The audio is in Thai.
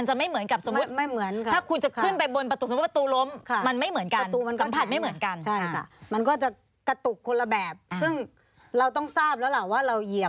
โดยสัญชาตญาณของคนขับรถเนี่ย